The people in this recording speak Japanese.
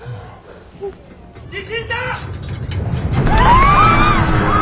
地震だ！